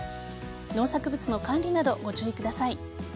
農作物の管理などご注意ください。